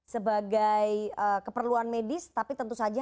sebagai keperluan medis tapi tentu saja